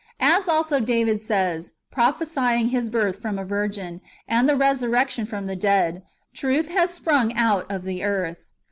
As also David says, prophesying His birth from a virgin, and the resurrection from the dead, " Truth has sprung out of the earth."